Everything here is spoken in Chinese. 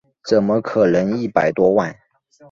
怎么可能一百多万